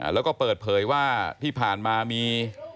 แล้วก็เปิดเผยว่าที่ผ่านมามี